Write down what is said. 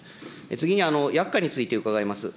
次に、薬価について伺います。